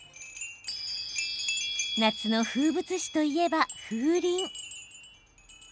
夏の風物詩といえば風鈴。